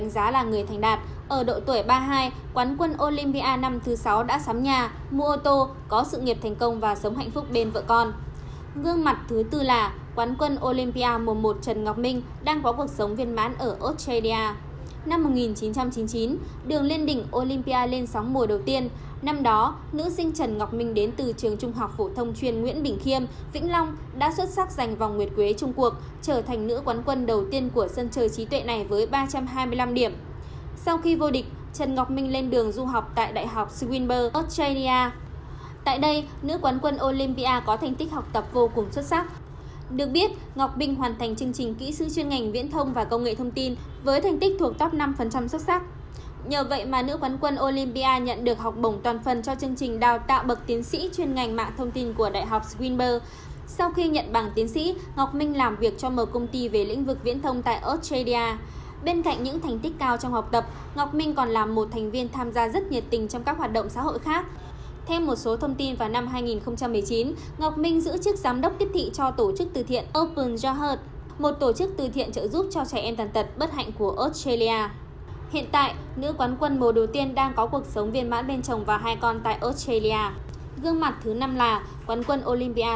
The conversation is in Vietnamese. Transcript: sinh năm một nghìn chín trăm tám mươi hai đại đại diện trường trung học phổ thông chuyên làm sơn thanh hóa dự thi đường lên đỉnh olympia